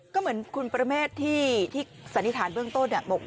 ก็เหมือนคุณประเมฆที่สันนิษฐานเบื้องต้นบอก